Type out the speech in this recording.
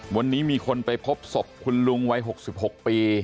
วันนี้มีคนไปพบศพคุณลุงวัย๖๖ปี